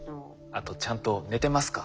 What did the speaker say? あとちゃんと寝てますか？